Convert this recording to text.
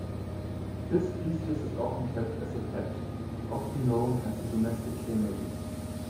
This species is often kept as a pet, often known as the domestic canary.